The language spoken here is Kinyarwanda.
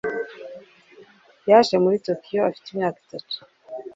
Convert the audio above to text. Yaje muri Tokiyo afite imyaka itatu.